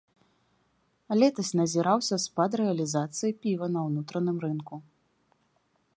Летась назіраўся спад рэалізацыя піва на ўнутраным рынку.